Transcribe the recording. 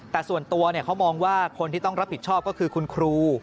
แต่ส่วนตัวเขามองว่าคนที่ต้องรับผิดชอบก็คือคุณครู